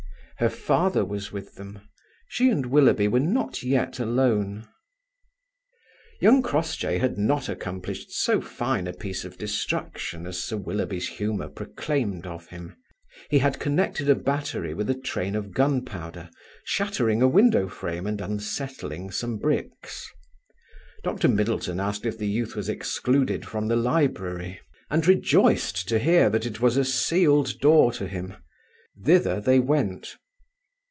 Her father was with them. She and Willoughby were not yet alone. Young Crossjay had not accomplished so fine a piece of destruction as Sir Willoughby's humour proclaimed of him. He had connected a battery with a train of gunpowder, shattering a window frame and unsettling some bricks. Dr. Middleton asked if the youth was excluded from the library, and rejoiced to hear that it was a sealed door to him. Thither they went.